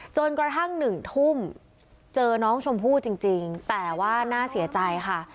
จนกระทั่ง๑ทุ่มเจอน้องชมพู่จริงแต่ว่าน่าเสียใจค่ะ